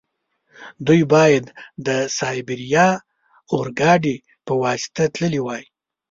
دوی باید د سایبیریا اورګاډي په واسطه تللي وای.